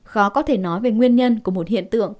khó có thể nói về nguyên nhân của một hiện tượng